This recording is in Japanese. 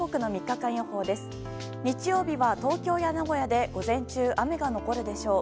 日曜日は東京や名古屋で午前中、雨が残るでしょう。